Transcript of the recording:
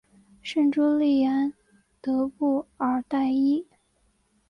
圣朱利安德布尔代伊。